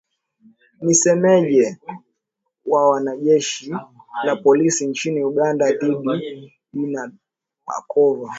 ni msemaji wa jeshi la polisi nchini uganda judith nabakova